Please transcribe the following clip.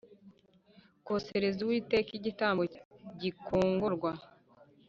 kosereza Uwiteka igitambo gikongorwa